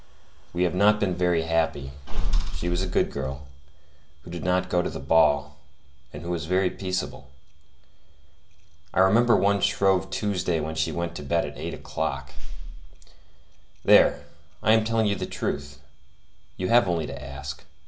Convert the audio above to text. We have not been very happy. She was a good girl, who did not go to the ball, and who was very peaceable. I remember one Shrove Tuesday when she went to bed at eight o'clock. There, I am telling the truth; you have only to ask.